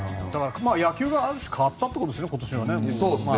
野球がある種変わったということですね。